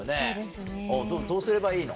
おうどうすればいいの？